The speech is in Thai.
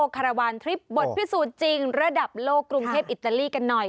คาราวานทริปบทพิสูจน์จริงระดับโลกกรุงเทพอิตาลีกันหน่อย